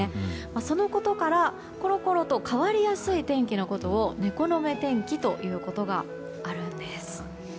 そのことから、コロコロと変わりやすい天気のことを猫の目天気ということがあるんです。